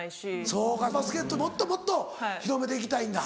そうかバスケットもっともっと広めて行きたいんだ。